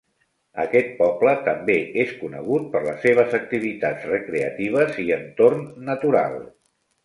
Aquest poble també és conegut per les seves activitats recreatives i entorn natural.